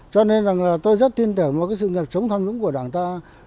cho nên tôi rất tin tưởng vào sự nghiệp chống tham nhũng của đảng ta